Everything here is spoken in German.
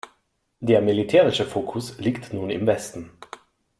Der militärische Fokus liegt nun im Westen.